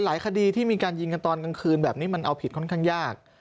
คดีที่มีการยิงกันตอนกลางคืนแบบนี้มันเอาผิดค่อนข้างยาก